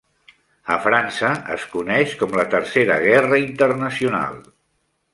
A França es coneix com la Tercera Guerra Internacional.